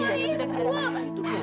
iya sudah sudah